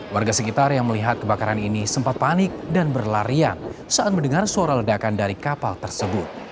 warga sekitar yang melihat kebakaran ini sempat panik dan berlarian saat mendengar suara ledakan dari kapal tersebut